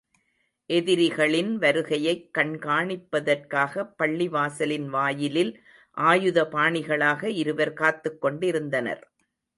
எதிரிகளின் வருகையைக் கண்காணிப்பதற்காகப் பள்ளிவாசலின் வாயிலில் ஆயுத பாணிகளாக இருவர் காத்துக் கொண்டிருந்தனர்.